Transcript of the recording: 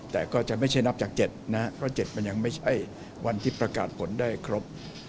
แต่ก็จะไม่ใช่นับจาก๗นะครับเพราะ๗มันยังไม่ใช่วันที่ประกาศผลได้ครบ